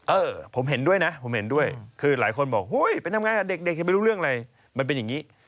เออผมเห็นด้วยนะคือหลายคนบอกเป็นทำงานกับเด็กไปรู้เรื่องอะไรมันเป็นอย่างนี้